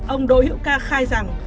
ông đỗ hiệu ca khai rằng